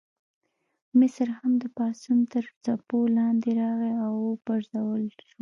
مصر هم د پاڅون تر څپو لاندې راغی او وپرځول شو.